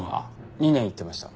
２年行ってました。